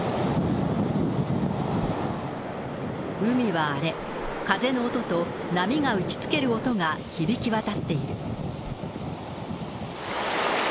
海は荒れ、風の音と波が打ちつける音が響き渡っている。